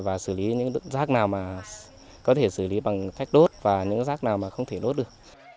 và xử lý những rác nào mà có thể xử lý bằng cách đốt và những rác nào mà không thể đốt được